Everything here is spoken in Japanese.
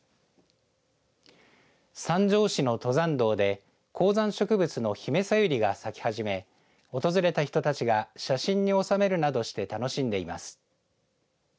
三条市の登山道で高山植物のヒメサユリが咲き始め訪れた人たちが写真に収めるなどして楽しんでいます。